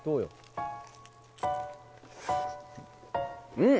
うん！